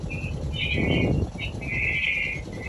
马利克称自己从十二岁开始就对自己的外貌感到骄傲。